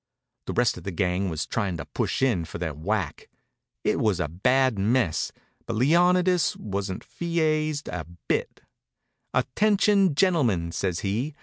The rest of the gang was trying to push in for their whack. It was a bad mess, but Leonidas wasn't feazed a bit. "Attention, gentlemen!" says he.